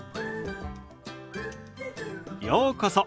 ようこそ。